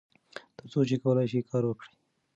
تر څو چې کولای شئ کار وکړئ.